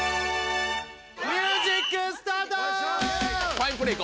ファインプレーい